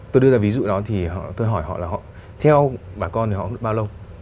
tôi đưa ra ví dụ đó tôi hỏi họ là theo bà con thì họ được bao lâu